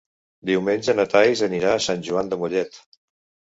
Diumenge na Thaís anirà a Sant Joan de Mollet.